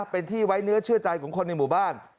เป็นที่ไว้เนื้อเชื่อใจของคนในหมู่บ้าน